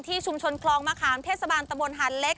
ชุมชนคลองมะขามเทศบาลตะบนหาดเล็ก